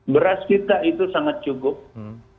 beras kita itu sangat cukup